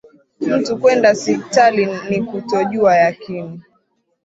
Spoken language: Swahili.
Mtu kwenda sipitali, ni kutojuwa yakini.